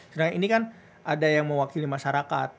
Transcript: sedangkan ini kan ada yang mewakili masyarakat